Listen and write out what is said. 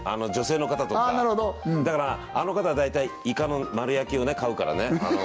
女性の方とかだからあの方は大体イカの丸焼きを買うからね